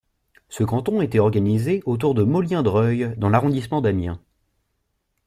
Ce canton était organisé autour de Molliens-Dreuil dans l'arrondissement d'Amiens.